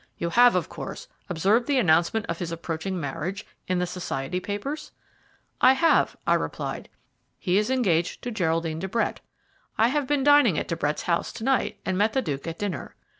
You have, of course, observed the announcement of his approaching marriage in the society papers?" "I have," I replied. "He is engaged to Geraldine de Brett. I have been dining at De Brett's house to night, and met the Duke at dinner.